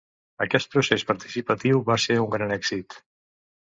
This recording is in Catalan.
Aquest procés participatiu va ser un gran èxit.